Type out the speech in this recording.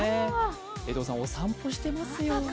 江藤さん、お散歩してますよ。